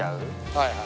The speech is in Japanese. はいはい。